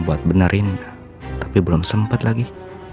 buat benerin tapi belum sempat lagi